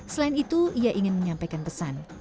selain itu ia ingin menyampaikan pesan